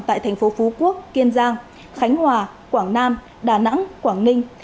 tại thành phố phú quốc kiên giang khánh hòa quảng nam đà nẵng quảng ninh